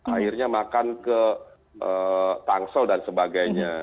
akhirnya makan ke tangsel dan sebagainya